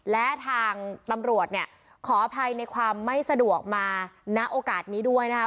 และทางตำรวจเนี่ยขออภัยในความไม่สะดวกมาณโอกาสนี้ด้วยนะคะ